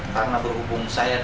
karena berhubung saya